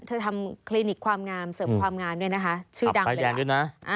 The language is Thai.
ทำคลินิกความงามเสริมความงามด้วยนะคะชื่อดังเลยนะ